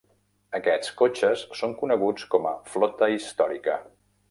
Aquests cotxes són coneguts com a flota històrica.